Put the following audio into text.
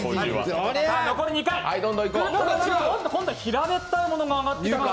今度は平べったいものが上がってきたか。